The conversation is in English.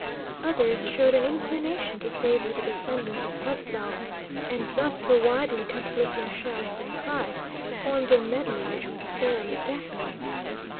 Others showed an inclination to favour the descendants of Quetzal', and thus the widely conflicting shouts and cries formed a medley which was fairly deafening.